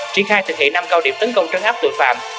triển khai thực hiện năm cao điểm tấn công trấn áp tội phạm